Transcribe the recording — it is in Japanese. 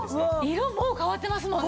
色もう変わってますもんね！